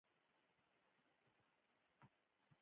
څلور دېرشم سوال د انګیزې په اړه دی.